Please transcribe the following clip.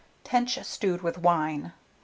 TENCH STEWED WITH WINE. 335.